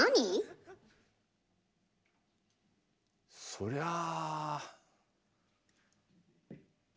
そりゃあ。